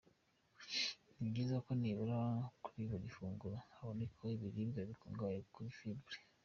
Ni byiza ko nibura kuri buri funguro habonekamo ibiribwa bikungahe kuri Fibre.